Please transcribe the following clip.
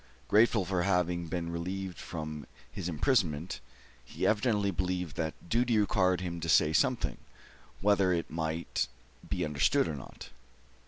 Grateful for having been relieved from his imprisonment, he evidently believed that duty required him to say something, whether it might be understood or not.